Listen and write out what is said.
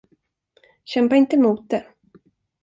Kämpa inte emot det.